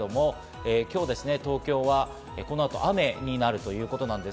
今日、東京はこの後、雨になるということです。